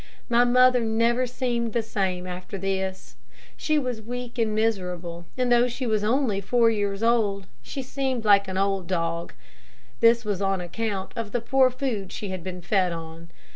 My mother never seemed the same after this. She was weak and miserable, and though she was only four years old, she seemed like an old dog. This was on account of the poor food she had been fed on.